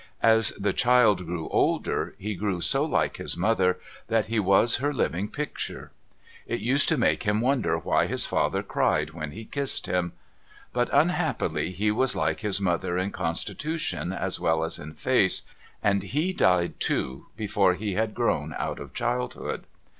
As the child grew older, he grew so like his mother that he was her living picture. It used to make him wonder why his father cried when he kissed him. 378 MRS. LIRRIPER'S LEGACY But uiiha])pily he was like his mother in constitution as well as in face, and he died too before he liad grown out of childhood.